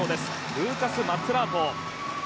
ルーカス・マッツェラート。